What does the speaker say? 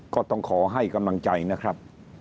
ก็ต้องขอให้กำลังใจนะครับ